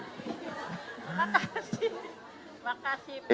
makasih makasih pak